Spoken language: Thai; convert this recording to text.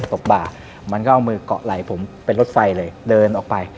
ตบบ่ามันก็เอามือเกาะไหล่ผมเป็นรถไฟเลยเดินออกไป